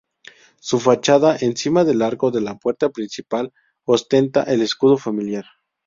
Su fachada, encima del arco de la puerta principal, ostenta el escudo familiar.